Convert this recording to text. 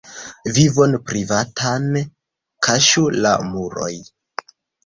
Vivon privatan kaŝu la muroj.